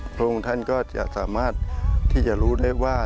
พระองค์ท่านก็จะสามารถที่จะรู้ได้ว่า